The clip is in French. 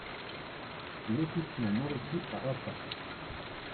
Lotissement Moretti à Afa